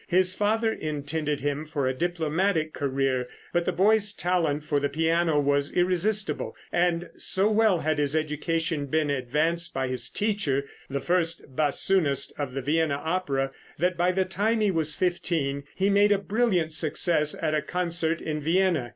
His father intended him for a diplomatic career, but the boy's talent for the piano was irresistible, and, so well had his education been advanced by his teacher, the first bassoonist of the Vienna opera, that by the time he was fifteen he made a brilliant success at a concert in Vienna.